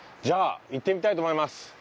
じゃあ行ってみたいと思います。